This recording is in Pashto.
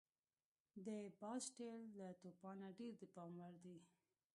د باسټیل له توپانه ډېر د پام وړ دي.